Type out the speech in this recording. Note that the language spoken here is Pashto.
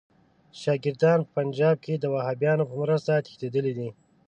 چې شاګردان په پنجاب کې د وهابیانو په مرسته تښتېدلي دي.